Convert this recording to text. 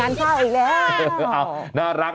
งานข้าวอีกแล้ว